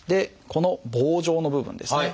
この棒状の部分ですね